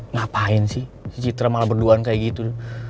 ngapain sih citra malah berduaan kayak gitu